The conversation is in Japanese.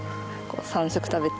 ３食食べて。